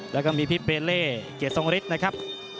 แล้วก็มีพี่เบเล่เกียรติทรงฤทธิ์นะครับ